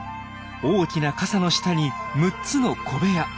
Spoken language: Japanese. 大きな傘の下に６つの小部屋。